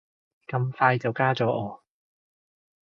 咁快就加咗我